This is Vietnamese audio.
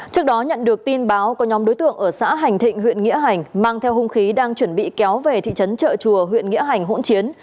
trước đó nhận được tin báo có nhóm đối tượng ở xã hành thịnh huyện nghĩa hành mang theo hung khí đang chuẩn bị kéo về thị trấn trợ chùa huyện nghĩa hành hỗn chiến